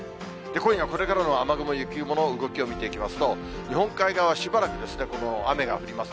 今夜これからの雨雲、雪雲の動きを見ていきますと、日本海側、しばらくこの雨が降ります。